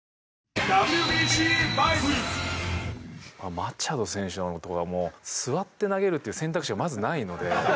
マチャド選手とかはもう座って投げるっていう選択肢がまずないので。